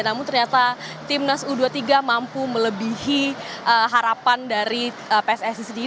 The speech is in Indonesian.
namun ternyata timnas u dua puluh tiga mampu melebihi harapan dari pssi sendiri